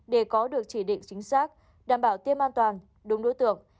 để có được chỉ định chính xác đảm bảo tiêm an toàn đúng đối tượng